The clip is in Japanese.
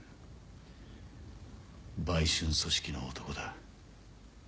売春組織の男だ。